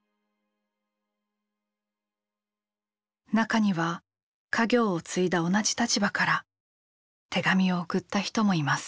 中には家業を継いだ同じ立場から手紙を送った人もいます。